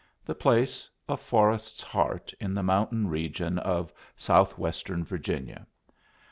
The place, a forest's heart in the mountain region of southwestern Virginia.